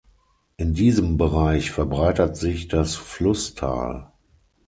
In diesem Bereich verbreitert sich das Flusstal.